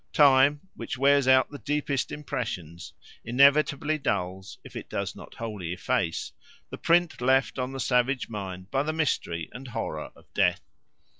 Time, which wears out the deepest impressions, inevitably dulls, if it does not wholly efface, the print left on the savage mind by the mystery and horror of death.